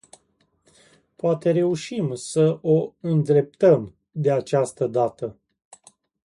Poate reușim să o îndreptăm, de această dată.